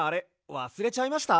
わすれちゃいました？